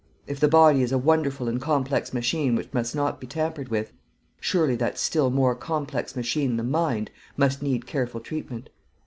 If the body is a wonderful and complex machine which must not be tampered with, surely that still more complex machine the mind must need careful treatment.